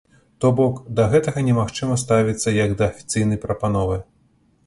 То бок, да гэтага немагчыма ставіцца як да афіцыйнай прапановы.